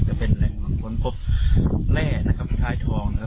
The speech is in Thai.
จะเป็นแหล่งค้นพบแร่นะครับท้ายทองนะครับ